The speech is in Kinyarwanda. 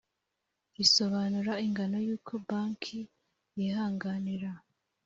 risobanura ingano y uko banki yihanganira